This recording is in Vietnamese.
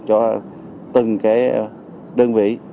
cho từng đơn vị